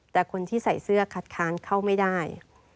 แต่คนที่ใส่เสื้อคัดค้านเข้าไม่ได้